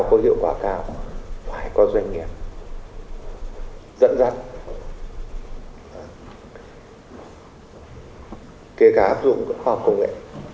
có hiệu quả cao phải có doanh nghiệp dẫn dắt kể cả áp dụng khoa học công nghệ